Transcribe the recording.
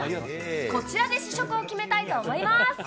こちらで試食を決めたいと思います。